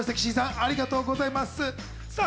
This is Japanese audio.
岸井さん、ありがとうございます。